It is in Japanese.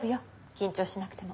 緊張しなくても。